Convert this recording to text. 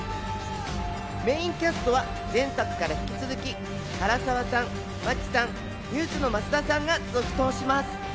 メインキャストは前作から引き続き、唐沢さん、真木さん、ＮＥＷＳの増田さんが続投します。